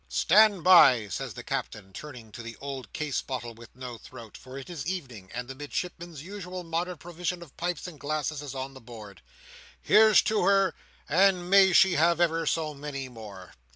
"Stand by!" says the Captain, turning to the old case bottle with no throat—for it is evening, and the Midshipman's usual moderate provision of pipes and glasses is on the board. "Here's to her, and may she have ever so many more!"